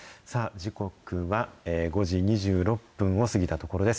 時刻は５時２６分を過ぎたところです。